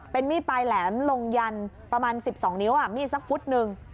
เป็นมีดปลายแหลมลงยันประมาณ๑๒นิ้วมีดสักฟุตหนึ่ง